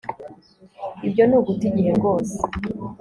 ibyo ni uguta igihe rwose